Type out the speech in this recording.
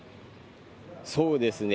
そうですね。